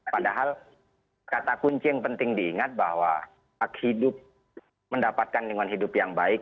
padahal kata kunci yang penting diingat bahwa hidup mendapatkan lingkungan hidup yang baik